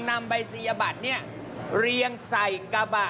นำใบสินิยบัตรเนี่ยเรียงใส่กระบะ